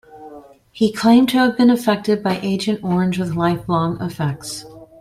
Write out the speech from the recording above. He claimed to have been affected by Agent Orange with lifelong effects.